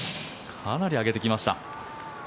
かなり上げてきました。